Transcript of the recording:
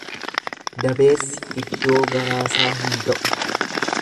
Dabeessi iddoo garaasaa hin ga'u.